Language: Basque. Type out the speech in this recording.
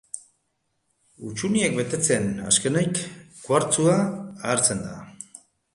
Hutsuneak betetzen, azkenik, kuartzoa agertzen da.